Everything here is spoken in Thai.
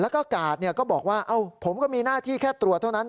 แล้วก็กาดก็บอกว่าผมก็มีหน้าที่แค่ตรวจเท่านั้น